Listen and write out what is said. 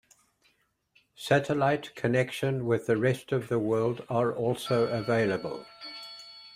Satellite connection with the rest of the world are also available.